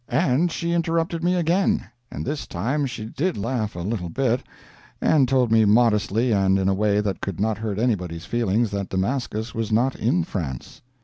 And she interrupted me again, and this time she did laugh a little bit, and told me modestly and in a way that could not hurt anybody's feelings, that Damascus was not in France.